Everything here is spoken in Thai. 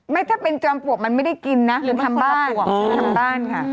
ไม่ถ้าเป็นจอมปลวกมันไม่ได้กินนะมันทำบ้านทำบ้านค่ะ